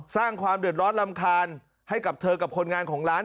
สร้างความเดือดร้อนรำคาญให้กับเธอกับคนงานของร้าน